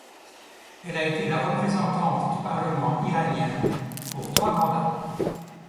Elle a été la représentante du Parlement iranien pour trois mandats.